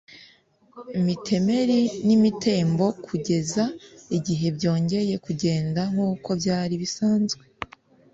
mitemeri n’imitembo kugeza igihe byongeye kugenda nkuko byari bisanzwe